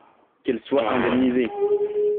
Qu’elle soit indemnisée.